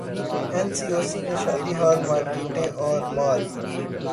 N C O C نے شادی hall, markets اور مال